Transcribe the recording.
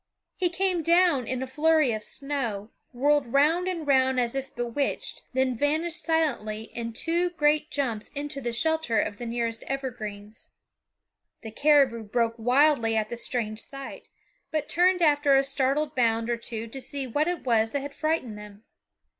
He came down in a flurry of snow, whirled round and round as if bewitched, then vanished silently in two great jumps into the shelter of the nearest evergreens. The caribou broke wildly at the strange sight, but turned after a startled bound or two to see what it was that had frightened them.